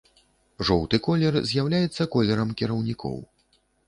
Жоўты колер з'яўляецца колерам кіраўнікоў.